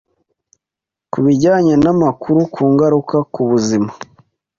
ku bijyanye n'amakuru ku ngaruka ku buzima